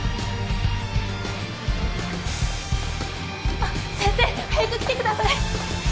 あっ先生早く来てください！